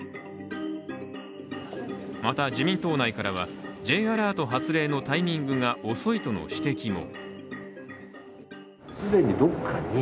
また、自民党内からはＪアラート発令のタイミングが遅いとの指摘も。